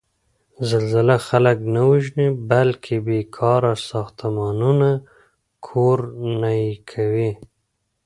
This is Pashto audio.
زلزله خلک نه وژني، بلکې بېکاره ساختمانونه کورنه یې کوي.